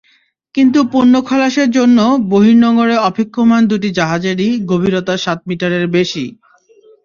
কিন্তু পণ্য খালাসের জন্য বহির্নোঙরে অপেক্ষমাণ দুটি জাহাজেরই গভীরতা সাত মিটারের বেশি।